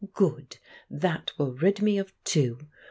Good! That will rid me of two!